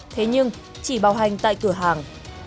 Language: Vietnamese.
thế nhưng chỉ bảo hành tại cửa hàng